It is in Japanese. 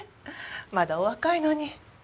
まだお若いのに。